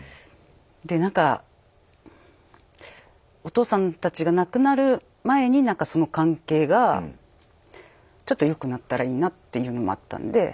でなんかお父さんたちが亡くなる前になんかその関係がちょっと良くなったらいいなっていうのもあったんで。